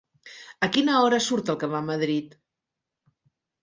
A quina hora surt el que va a Madrid?